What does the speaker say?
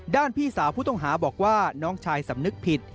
พี่สาวผู้ต้องหาบอกว่าน้องชายสำนึกผิด